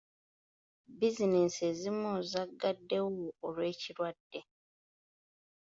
Bizinensi ezimu zagaddewo olw'ekirwadde.